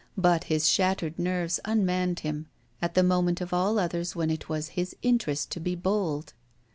But his shattered nerves unmanned him, at the moment of all others when it was his interest to be bold.